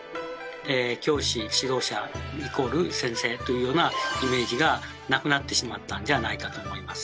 「教師指導者」＝「先生」というようなイメージがなくなってしまったんじゃないかと思います。